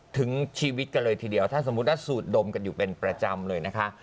ถึงชีวิตกันเลยทีเดียวถ้าสมมุติว่าสูดดมกันอยู่เป็นประจำเลยนะคะ